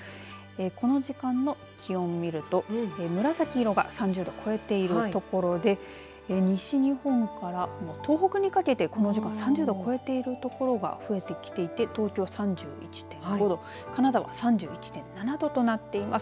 この時間の気温を見ると紫色が３０度超えている所で西日本から東北にかけてこの時間３０度を超えている所が増えてきていて東京３１．５度金沢３１．７度となっています。